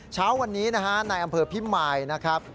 เช้าวันนี้นะฮะในอำเภอพิมายนะครับ